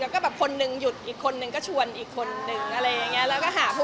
ก็ยังติดแม่มาก